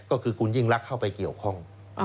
ก็คือคุณยิ่งรักเข้าไปเกี่ยวข้อง